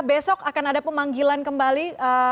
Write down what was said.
besok akan ada pemanggilan kembali